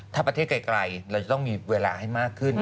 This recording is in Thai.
ถ้าประเทศไกลเราจะต้องมีเวลาให้มากขึ้น